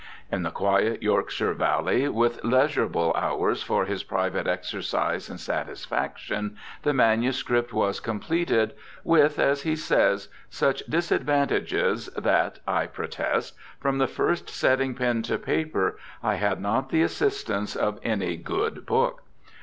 In the quiet Yorkshire valley, with ' leisurable hours for his private exercise and satisfac tion ', the manuscript was completed, * with,' as he says, ' such disadvantages that (I protest) from the first setting pen to paper I had not the assistance of an}^ good book.'